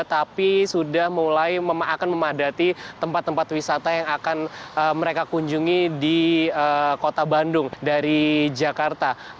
tapi sudah mulai akan memadati tempat tempat wisata yang akan mereka kunjungi di kota bandung dari jakarta